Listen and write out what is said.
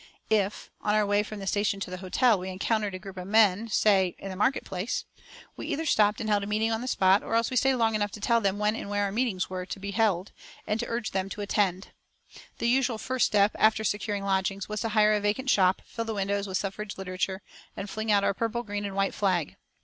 If, on our way from the station to the hotel, we encountered a group of men, say, in the market place, we either stopped and held a meeting on the spot, or else we stayed long enough to tell them when and where our meetings were to be held, and to urge them to attend. The usual first step, after securing lodgings, was to hire a vacant shop, fill the windows with suffrage literature, and fling out our purple, green, and white flag.